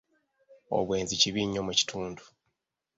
Obwenzi kibi nnyo mu kitundu.